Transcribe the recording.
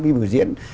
vì biểu diễn